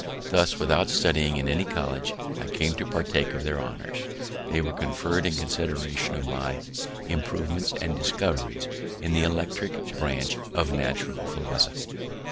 Thus, without studying in any college, I came to partake of their honours. They were conferr'd in consideration of my improvements and discoveries in the electric branch of natural philosophy.